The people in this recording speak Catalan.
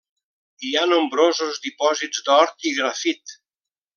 Hi ha nombrosos dipòsits d'or i grafit.